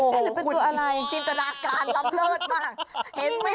จินตนาการรับเลิศมาก